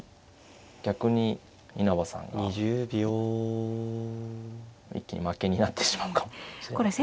逆に稲葉さんが一気に負けになってしまうかもしれない。